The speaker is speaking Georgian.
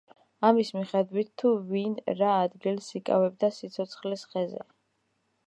იმის მიხედვით, თუ ვინ რა ადგილს იკავებდა სიცოცხლის ხეზე.